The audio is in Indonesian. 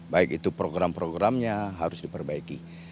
baik itu program programnya harus diperbaiki